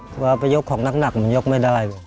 กลัวไปยกของหนักมันยกไม่ได้